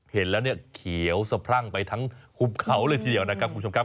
เห็นแล้วเนี่ยเขียวสะพรั่งไปทั้งหุบเขาเลยทีเดียวนะครับคุณผู้ชมครับ